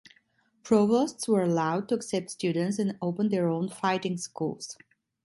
Provosts were allowed to accept students and open their own fighting schools.